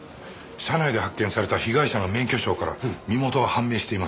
車内で発見された被害者の免許証から身元は判明しています。